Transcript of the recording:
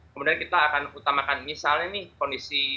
kemudian kita akan utamakan misalnya nih kondisi